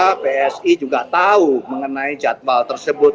tentu juga psi juga tahu mengenai jadwal tersebut